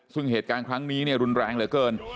ซึ่งเหตุการณ์ครั้งนี้รุนแรงเหลือเกิน